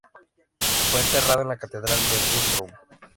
Fue enterrado en la catedral de Güstrow.